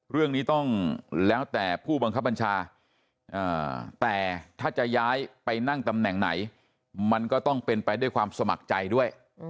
เรื่องนี้ต้องแล้วแต่ผู้บังคับบัญชาแต่ถ้าจะย้ายไปนั่งตำแหน่งไหนมันก็ต้องเป็นไปด้วยความสมัครใจด้วย